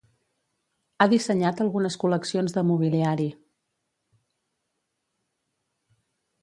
Ha dissenyat algunes col·leccions de mobiliari.